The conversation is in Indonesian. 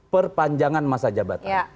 perpanjangan masa jabatan